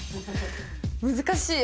難しい。